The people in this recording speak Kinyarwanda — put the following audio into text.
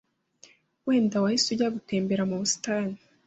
Wenda wahise ujya gutembera mu busitani